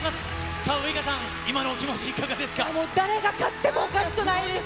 さあ、ウイカさん、今のお気持ち、もう誰が勝ってもおかしくないです。